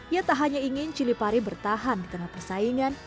ia tak hanya ingin cili pari bertahan di tengah persaingan